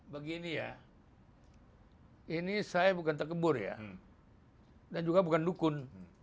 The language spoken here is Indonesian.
begini ya ini saya bukan terkebur ya dan juga bukan dukun